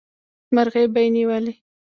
مرغۍ به یې نیولې.